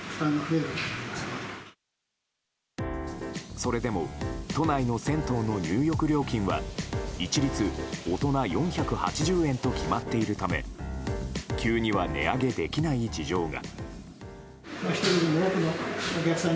それでも都内の銭湯の入浴料金は一律大人４８０円と決まっているため急には値上げできない事情が。